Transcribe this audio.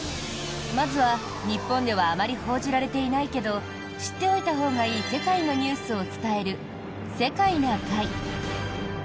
まずは、日本ではあまり報じられていないけど知っておいたほうがいい世界のニュースを伝える「世界な会」。